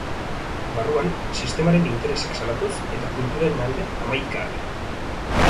Barruan, sistemaren interesak salatuz eta kulturaren alde hamaika ale.